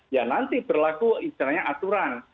ya nanti berlaku istilahnya aturan